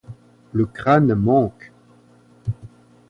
Le crâne manque.